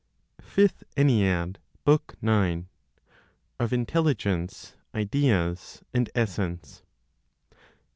FIFTH ENNEAD, BOOK NINE. Of Intelligence, Ideas and Essence.